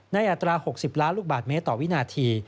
อัตรา๖๐ล้านลูกบาทเมตรต่อวินาที